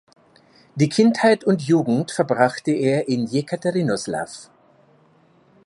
Die Kindheit und Jugend verbrachte er in Jekaterinoslaw.